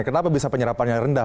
kenapa bisa penyerapan yang rendah